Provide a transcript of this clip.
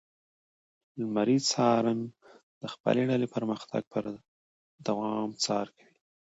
لمری څارن د خپلې ډلې پرمختګ پر دوام څار کوي.